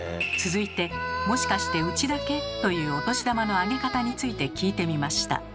続いて「もしかしてうちだけ？」というお年玉のあげ方について聞いてみました。